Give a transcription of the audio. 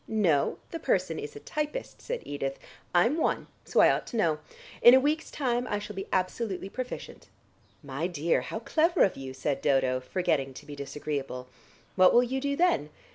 "No; the person is a typist," said Edith. "I'm one, so I ought to know. In a week's time I shall be absolutely proficient." "My dear, how clever of you," said Dodo, forgetting to be disagreeable. "What will you do then?"